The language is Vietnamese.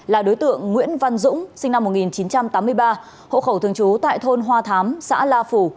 là đối tượng nguyễn văn dũng sinh năm một nghìn chín trăm tám mươi ba hộ khẩu thường trú tại thôn hoa thám xã la phủ